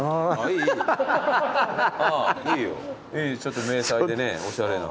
ちょっと迷彩でねおしゃれな。